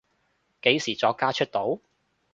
幾時作家出道？